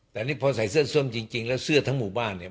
แต่นี่พอใส่เสื้อส้มจริงแล้วเสื้อทั้งหมู่บ้านเนี่ย